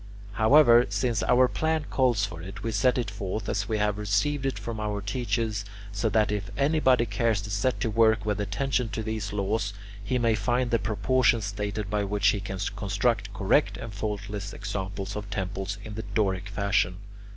However, since our plan calls for it, we set it forth as we have received it from our teachers, so that if anybody cares to set to work with attention to these laws, he may find the proportions stated by which he can construct correct and faultless examples of temples in the Doric fashion.